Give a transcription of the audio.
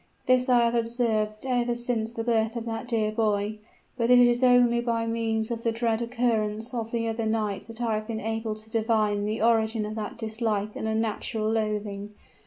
This I have observed ever since the birth of that dear boy, but it is only by means of the dread occurrence of the other night that I have been able to divine the origin of that dislike and unnatural loathing.